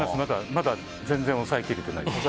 まだ全然押さえ切れてない。